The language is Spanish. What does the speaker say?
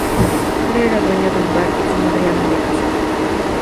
Su padre era dueño de un bar y su madre ama de casa.